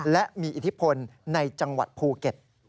และมีอิทธิพลในจังหวัดภูเก็ต